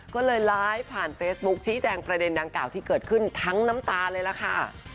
ก็เลยไลฟ์ผ่านเฟซบุ๊คชี้แจงประเด็นดังกล่าวที่เกิดขึ้นทั้งน้ำตาเลยล่ะค่ะ